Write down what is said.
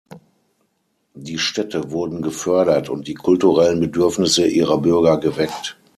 Die Städte wurden gefördert und die kulturellen Bedürfnisse ihrer Bürger geweckt.